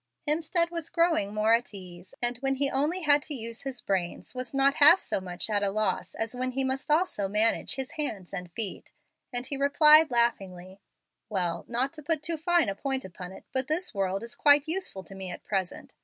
Hemstead was growing more at ease, and when he only had to use his brains was not half so much at a loss as when he must also manage his hands and feet, and he replied laughingly: "Well, not to put too fine a point upon it, this world is quite useful to me at present.